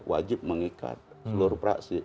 wajib mengikat seluruh praksi